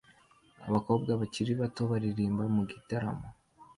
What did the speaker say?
Abakobwa bakiri bato baririmba mu gitaramo